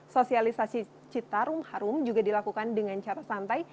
sosialisasi citarum harum juga dilakukan dengan cara santai